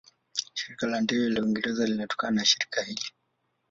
Shirika la Ndege la Uingereza linatokana na shirika hili.